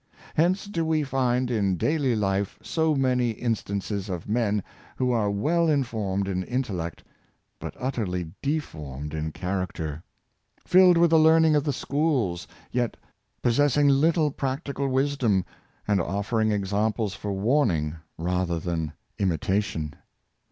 Hence do we find in daily life so many instances of men 'who are well informed in intellect, but utterly deformed in character; filled with the learning of the schools, yet possessing little practical wisdom, and offering exam ples for warning rather than imitation.